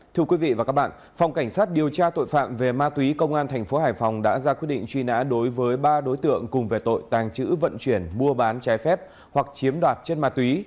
thưa quý vị và các bạn phòng cảnh sát điều tra tội phạm về ma túy công an thành phố hải phòng đã ra quyết định truy nã đối với ba đối tượng cùng về tội tàng trữ vận chuyển mua bán trái phép hoặc chiếm đoạt trên ma túy